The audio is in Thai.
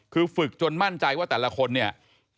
คือฝึกจนมั่นใจว่าแต่ละคนเนี่ย